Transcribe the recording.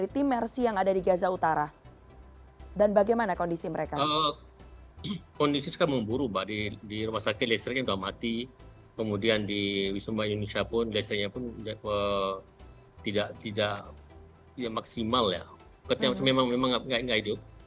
tidak maksimal ya memang tidak hidup